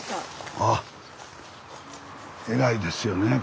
あっえらいですよね。